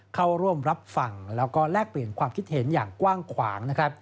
เข้าร่วมรับฝั่งและแลกเปลี่ยนความคิดเห็นอย่างกว้างขวาง